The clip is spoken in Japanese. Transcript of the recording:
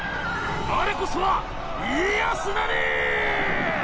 我こそは家康なりー！